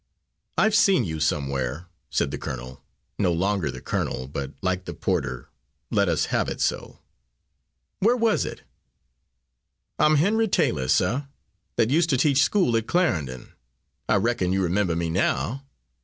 "I've seen you somewhere," said the colonel no longer the colonel, but like the porter, let us have it so. "Where was it?" "I'm Henry Taylor, suh, that used to teach school at Clarendon. I reckon you remember me now."